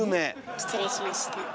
失礼しました。